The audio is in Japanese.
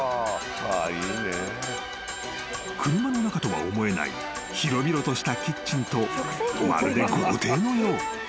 ［車の中とは思えない広々としたキッチンとまるで豪邸のよう］